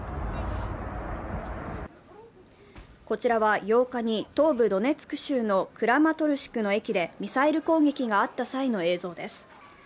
こちらは８日に東部ドネツク州のクラマトルシクの駅でミサイル攻撃があった際の映像です。